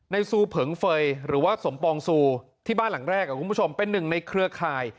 ซูเผิงเฟย์หรือว่าสมปองซูที่บ้านหลังแรกคุณผู้ชมเป็นหนึ่งในเครือข่าย